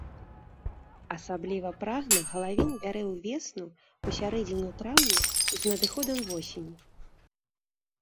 Асабліва прагна галавень бярэ ўвесну, у сярэдзіне траўня і з надыходам восені.